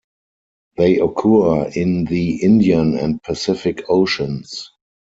They occur in the Indian and Pacific Oceans.